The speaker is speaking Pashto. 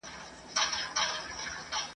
خو په اوسنیو شرایطو کي !.